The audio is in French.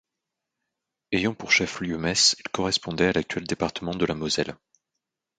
Ayant pour chef-lieu Metz, il correspondait à l'actuel département de la Moselle.